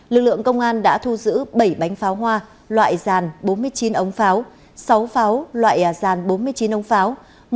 lực lượng công an đã thu giữ bảy bánh pháo hoa loại ràn bốn mươi chín ống pháo sáu pháo loại dàn bốn mươi chín ống pháo